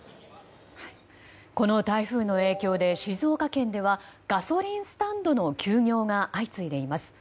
この台風の影響で静岡県ではガソリンスタンドの休業が相次いでいます。